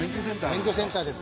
免許センターです